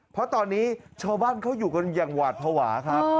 เพราะตอนนี้ชาวบ้านเขาอยู่กันอย่างหวาดภาวะครับ